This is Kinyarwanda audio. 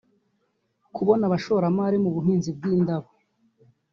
kubona abashoramari mu buhinzi bw’indabo